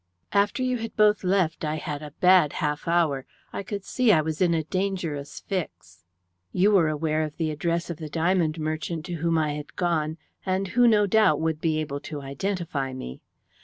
"After you had both left I had a bad half hour. I could see I was in a dangerous fix. You were aware of the address of the diamond merchant to whom I had gone, and who, no doubt, would be able to identify me.